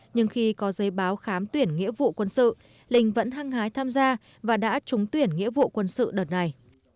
nhưng khi có giấy báo khám tuyển nghĩa vụ quân sự linh vẫn hăng hái tham gia và đã trúng tuyển nghĩa vụ quân sự đợt này